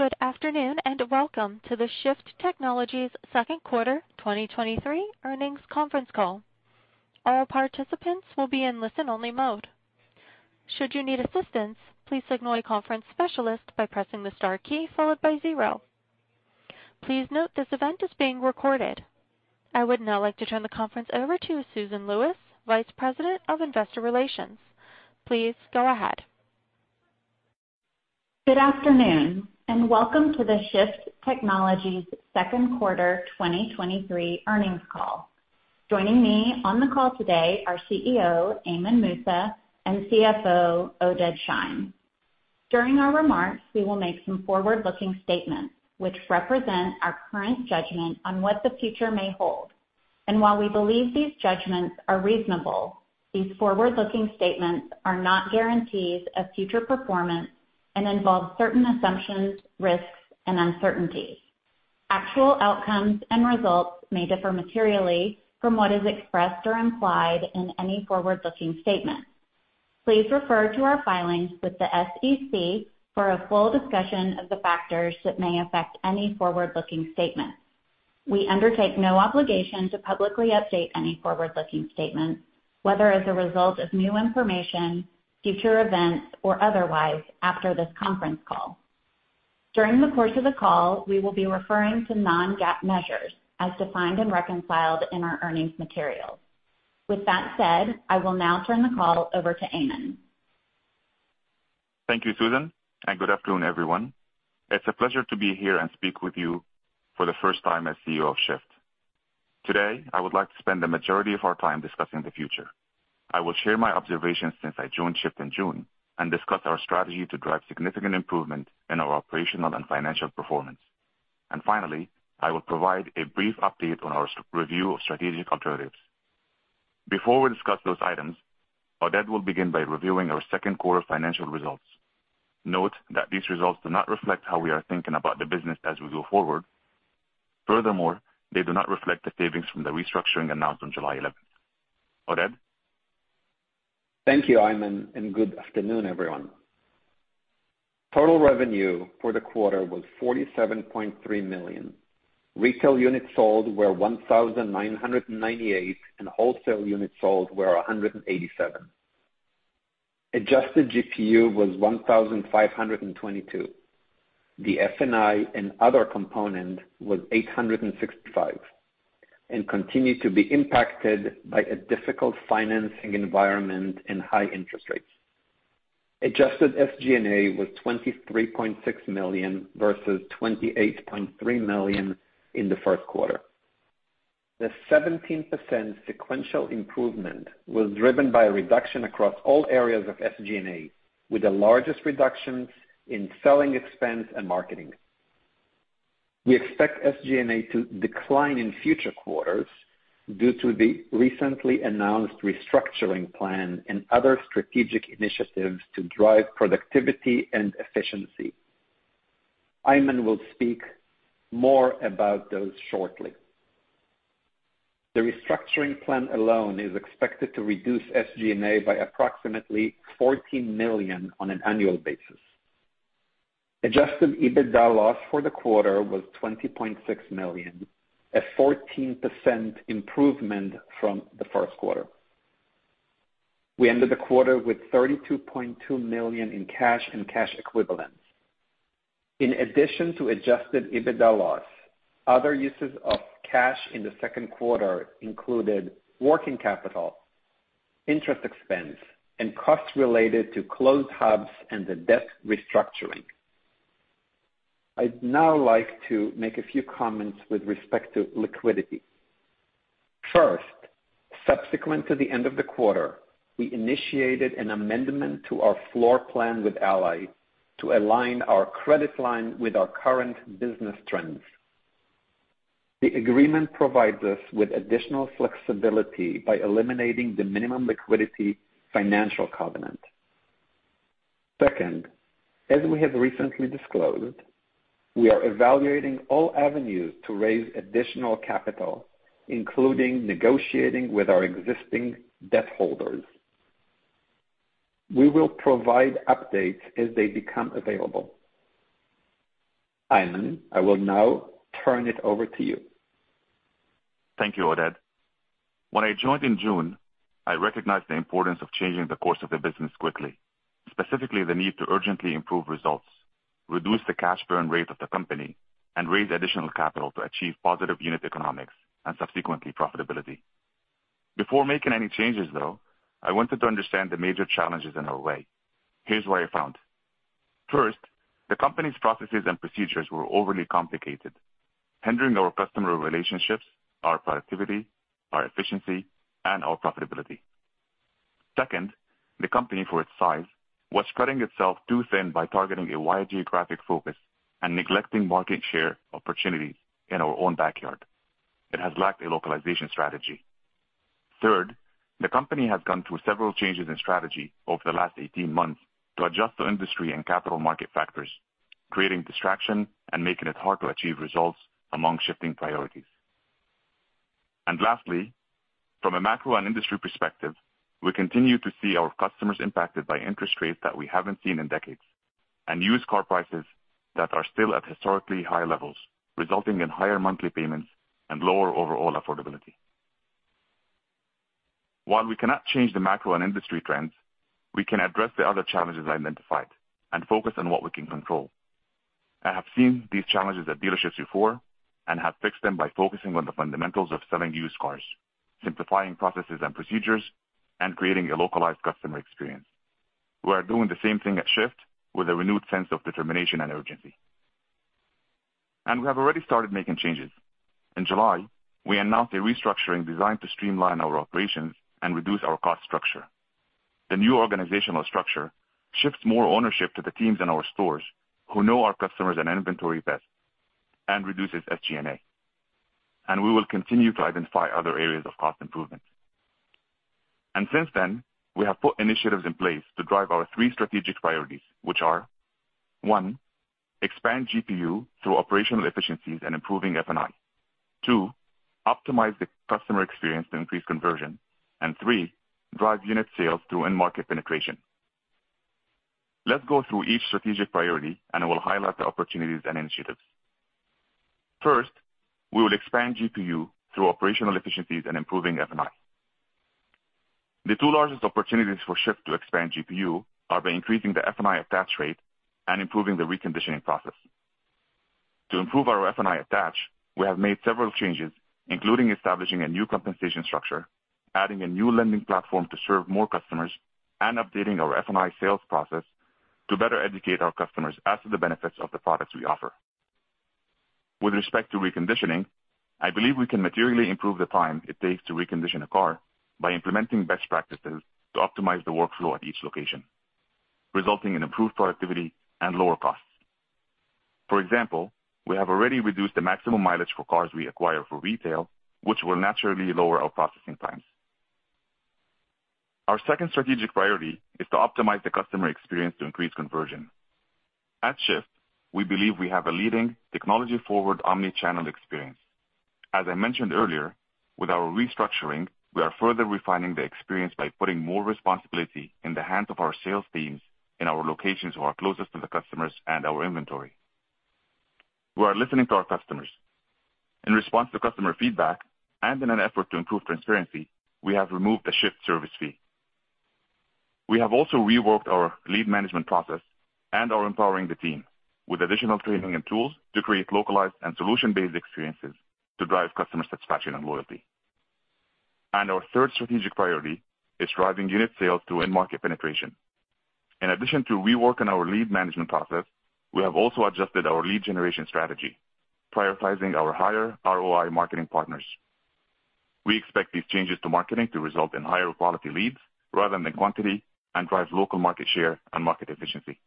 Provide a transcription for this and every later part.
Good afternoon and welcome to the Shift Technologies Second Quarter 2023 earnings conference call. All participants will be in listen-only mode. Should you need assistance, please contact the conference specialist by pressing the star key followed by zero. Please note this event is being recorded. I would now like to turn the conference over to Susan Lewis, Vice President of Investor Relations. Please go ahead. Good afternoon and welcome to the SHIFT Technologies Second Quarter 2023 earnings call. Joining me on the call today are CEO Ayman Moussa and CFO Oded Shein. During our remarks, we will make some forward-looking statements which represent our current judgment on what the future may hold. While we believe these judgments are reasonable, these forward-looking statements are not guarantees of future performance and involve certain assumptions, risks, and uncertainties. Actual outcomes and results may differ materially from what is expressed or implied in any forward-looking statement. Please refer to our filings with the SEC for a full discussion of the factors that may affect any forward-looking statement. We undertake no obligation to publicly update any forward-looking statements, whether as a result of new information, future events, or otherwise after this conference call. During the course of the call, we will be referring to non-GAAP measures as defined and reconciled in our earnings materials. With that said, I will now turn the call over to Ayman. Thank you, Susan, and good afternoon, everyone. It's a pleasure to be here and speak with you for the first time as CEO of SHIFT. Today, I would like to spend the majority of our time discussing the future. I will share my observations since I joined SHIFT in June and discuss our strategy to drive significant improvement in our operational and financial performance. Finally, I will provide a brief update on our review of strategic alternatives. Before we discuss those items, Oded will begin by reviewing our second quarter financial results. Note that these results do not reflect how we are thinking about the business as we go forward. Furthermore, they do not reflect the savings from the restructuring announced on July 11th. Oded? Thank you, Ayman, and good afternoon, everyone. Total revenue for the quarter was $47.3 million. Retail units sold were 1,998, and wholesale units sold were 187. Adjusted GPU was $1,522. The F&I and other component was $865 and continued to be impacted by a difficult financing environment and high interest rates. Adjusted SG&A was $23.6 million versus $28.3 million in the first quarter. The 17% sequential improvement was driven by a reduction across all areas of SG&A, with the largest reductions in selling expense and marketing. We expect SG&A to decline in future quarters due to the recently announced restructuring plan and other strategic initiatives to drive productivity and efficiency. Ayman will speak more about those shortly. The restructuring plan alone is expected to reduce SG&A by approximately $14 million on an annual basis. Adjusted EBITDA loss for the quarter was $20.6 million, a 14% improvement from the first quarter. We ended the quarter with $32.2 million in cash and cash equivalents. In addition to Adjusted EBITDA loss, other uses of cash in the second quarter included working capital, interest expense, and costs related to closed hubs and the debt restructuring. I'd now like to make a few comments with respect to liquidity. First, subsequent to the end of the quarter, we initiated an amendment to our floor plan with Ally to align our credit line with our current business trends. The agreement provides us with additional flexibility by eliminating the minimum liquidity financial covenant. Second, as we have recently disclosed, we are evaluating all avenues to raise additional capital, including negotiating with our existing debt holders. We will provide updates as they become available. Ayman, I will now turn it over to you. Thank you, Oded. When I joined in June, I recognized the importance of changing the course of the business quickly, specifically the need to urgently improve results, reduce the cash burn rate of the company, and raise additional capital to achieve positive unit economics and subsequently profitability. Before making any changes, though, I wanted to understand the major challenges in our way. Here's what I found. First, the company's processes and procedures were overly complicated, hindering our customer relationships, our productivity, our efficiency, and our profitability. Second, the company, for its size, was cutting itself too thin by targeting a wide geographic focus and neglecting market share opportunities in our own backyard. It has lacked a localization strategy. Third, the company has gone through several changes in strategy over the last 18 months to adjust to industry and capital market factors, creating distraction and making it hard to achieve results among shifting priorities. Lastly, from a macro and industry perspective, we continue to see our customers impacted by interest rates that we haven't seen in decades and used car prices that are still at historically high levels, resulting in higher monthly payments and lower overall affordability. While we cannot change the macro and industry trends, we can address the other challenges identified and focus on what we can control. I have seen these challenges at dealerships before and have fixed them by focusing on the fundamentals of selling used cars, simplifying processes and procedures, and creating a localized customer experience. We are doing the same thing at SHIFT with a renewed sense of determination and urgency. We have already started making changes. In July, we announced a restructuring designed to streamline our operations and reduce our cost structure. The new organizational structure shifts more ownership to the teams in our stores who know our customers and inventory best and reduces SG&A. We will continue to identify other areas of cost improvement. Since then, we have put initiatives in place to drive our three strategic priorities, which are: one, expand GPU through operational efficiencies and improving F&I; two, optimize the customer experience to increase conversion; and three, drive unit sales through in-market penetration. Let's go through each strategic priority, and I will highlight the opportunities and initiatives. First, we will expand GPU through operational efficiencies and improving F&I. The two largest opportunities for SHIFT to expand GPU are by increasing the F&I attach rate and improving the reconditioning process. To improve our F&I attach, we have made several changes, including establishing a new compensation structure, adding a new lending platform to serve more customers, and updating our F&I sales process to better educate our customers as to the benefits of the products we offer. With respect to reconditioning, I believe we can materially improve the time it takes to recondition a car by implementing best practices to optimize the workflow at each location, resulting in improved productivity and lower costs. For example, we have already reduced the maximum mileage for cars we acquire for retail, which will naturally lower our processing times. Our second strategic priority is to optimize the customer experience to increase conversion. At SHIFT, we believe we have a leading, technology-forward omnichannel experience. As I mentioned earlier, with our restructuring, we are further refining the experience by putting more responsibility in the hands of our sales teams in our locations who are closest to the customers and our inventory. We are listening to our customers. In response to customer feedback and in an effort to improve transparency, we have removed the SHIFT service fee. We have also reworked our lead management process and are empowering the team with additional training and tools to create localized and solution-based experiences to drive customer satisfaction and loyalty. Our third strategic priority is driving unit sales through in-market penetration. In addition to reworking our lead management process, we have also adjusted our lead generation strategy, prioritizing our higher ROI marketing partners. We expect these changes to marketing to result in higher quality leads rather than quantity and drive local market share and market efficiency.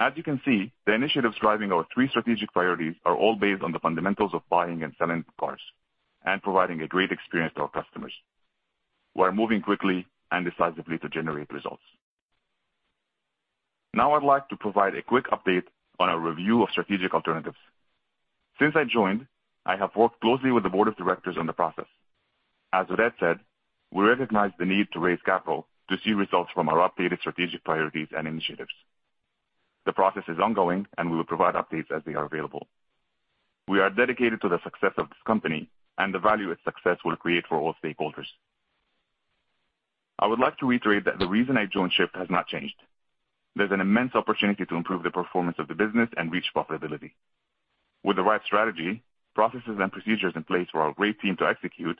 As you can see, the initiatives driving our three strategic priorities are all based on the fundamentals of buying and selling cars and providing a great experience to our customers. We are moving quickly and decisively to generate results. Now I'd like to provide a quick update on our review of strategic alternatives. Since I joined, I have worked closely with the board of directors on the process. As Oded said, we recognize the need to raise capital to see results from our updated strategic priorities and initiatives. The process is ongoing, and we will provide updates as they are available. We are dedicated to the success of this company and the value its success will create for all stakeholders. I would like to reiterate that the reason I joined SHIFT has not changed. There's an immense opportunity to improve the performance of the business and reach profitability. With the right strategy, processes, and procedures in place for our great team to execute,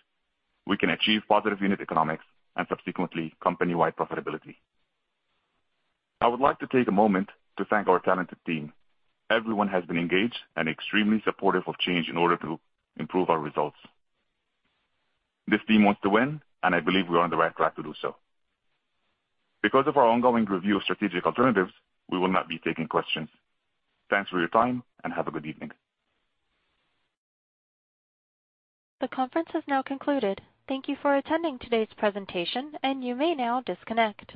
we can achieve positive unit economics and subsequently company-wide profitability. I would like to take a moment to thank our talented team. Everyone has been engaged and extremely supportive of change in order to improve our results. This team wants to win, and I believe we are on the right track to do so. Because of our ongoing review of strategic alternatives, we will not be taking questions. Thanks for your time, and have a good evening. The conference has now concluded. Thank you for attending today's presentation, and you may now disconnect.